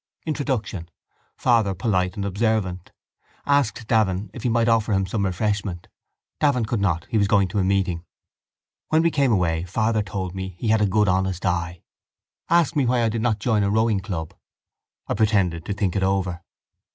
Introduction. Father polite and observant. Asked Davin if he might offer him some refreshment. Davin could not, was going to a meeting. When we came away father told me he had a good honest eye. Asked me why I did not join a rowing club. I pretended to think it over.